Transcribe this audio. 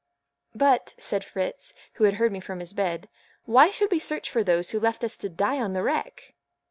"But," said Fritz, who had heard me from his bed, "why should we search for those who left us to die on the wreck?"